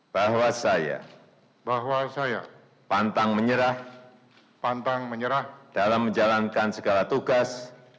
bahwa saya pantang menyerah dalam menjalankan segala tugas